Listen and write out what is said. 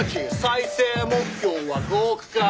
「再生目標は５億回」